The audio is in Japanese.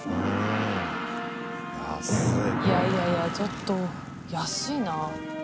いやいやちょっと安いな。